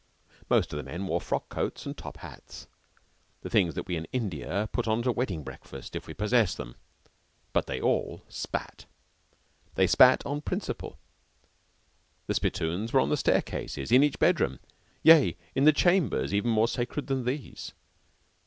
Most of the men wore frock coats and top hats the things that we in India put on at a wedding breakfast, if we possess them but they all spat. They spat on principle. The spittoons were on the staircases, in each bedroom yea, and in chambers even more sacred than these.